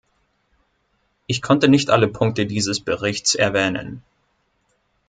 Ich konnte nicht alle Punkte dieses Berichts erwähnen.